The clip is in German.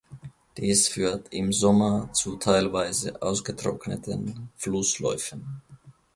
Dies führt im Sommer zu teilweise ausgetrockneten Flussläufen.